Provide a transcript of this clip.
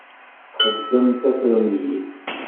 Txeddem d tafremlit.